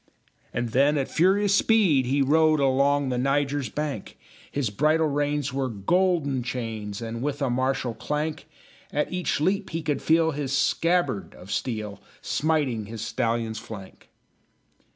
And then at furious speed he rode Along the Niger's bank; His bridle reins were golden chains, And, with a martial clank, At each leap he could feel his scabbard of steel Smiting his stallion's flank.